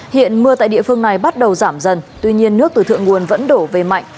hiện mưa tại địa phương này bắt đầu giảm dần tuy nhiên nước từ thượng nguồn vẫn đổ về mạnh